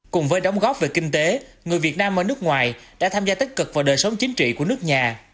cùng với đóng góp về kinh tế người việt nam ở nước ngoài đã tham gia tích cực vào đời sống chính trị của nước nhà